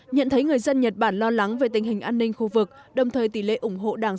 nhận thấy người dân nhật bản lo lắng về tình hình an ninh khu vực đồng thời tỷ lệ ủng hộ đảng